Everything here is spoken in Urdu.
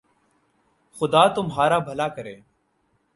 خدا تمہارر بھلا کرے